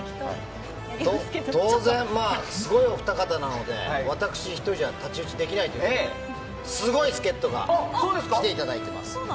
当然、すごいお二方ですので私１人じゃ太刀打ちできないのですごい助っ人に来ていただいております。